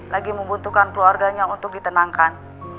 lagi membutuhkan keluarganya untuk ditenangkan